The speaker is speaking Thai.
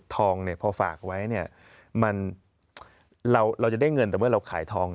ถ้าหลายคนบอก